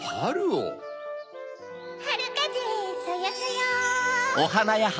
はるかぜそよそよ！